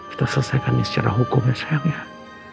kita selesaikan ini secara hukum ya sayang